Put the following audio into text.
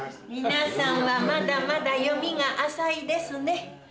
皆さんはまだまだ読みが浅いですね。